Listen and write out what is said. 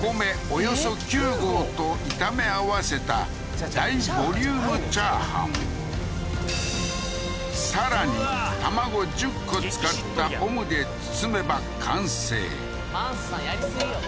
およそ９合と炒め合わせた大ボリュームチャーハンさらに卵１０個使ったオムで包めば完成マンスさんやりすぎよ